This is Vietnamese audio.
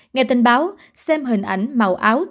nghe tin báo xem hình ảnh màu áo thiết